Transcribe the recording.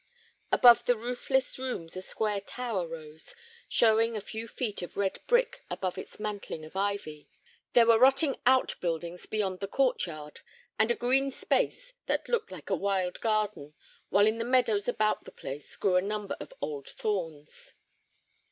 Above the roofless rooms a square tower rose, showing a few feet of red brick above its mantling of ivy. There were rotting out buildings beyond the court yard, and a green space that looked like a wild garden, while in the meadows about the place grew a number of old thorns.